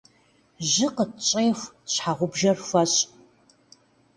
Жьы къытщӏеху, щхьэгъубжэр хуэщӏ.